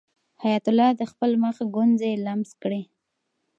حیات الله د خپل مخ ګونځې لمس کړې.